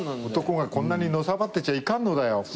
男がこんなにのさばってちゃいかんのだよ。